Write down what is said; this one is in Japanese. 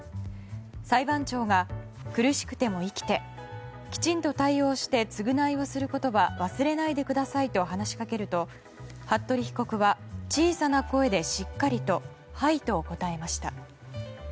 裁判長が、苦しくても生きてきちんと対応して償いをすることを忘れないでくださいと話しかけると服部被告は小さな声でしっかりとはいと答えました。